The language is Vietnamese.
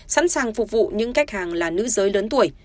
sẵn sàng phục vụ những khách hàng là nữ giới lớn tuổi